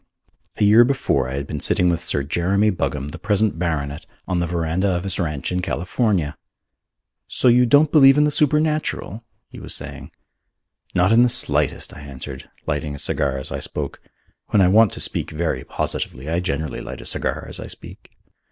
A year before I had been sitting with Sir Jeremy Buggam, the present baronet, on the verandah of his ranch in California. "So you don't believe in the supernatural?" he was saying. "Not in the slightest," I answered, lighting a cigar as I spoke. When I want to speak very positively, I generally light a cigar as I speak.